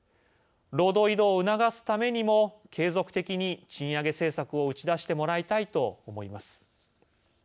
労働移動を促すためにも継続的に賃上げ政策を打ち出してもらいたいと思います。